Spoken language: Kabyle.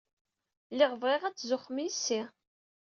Lliɣ bɣiɣ ad tzuxxem yess-i.